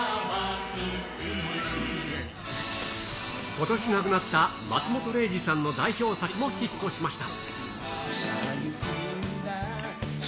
ことし亡くなった松本零士さんの代表作もヒットしました。